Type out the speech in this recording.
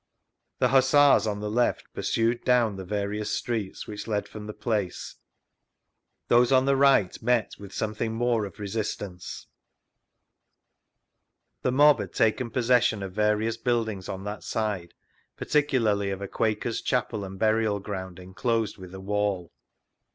The Hussars <hi the left pursued down the various streets which led from the j^ace; those on the right met with something more of resistance. vGoogIc 54 THREE ACCOUNTS OF PETERLOO The mob had taken possession of various build* ings on that side, particularly of a Quakers' cbapd and burial ground enclosed with a wall.